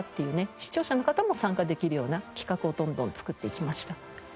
視聴者の方も参加できるような企画をどんどん作っていきました。